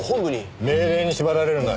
命令に縛られるな。